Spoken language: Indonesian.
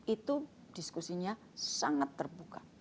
itu diskusinya sangat terbuka